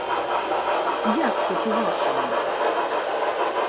— Як се по-вашому?